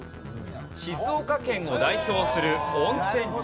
静岡県を代表する温泉地。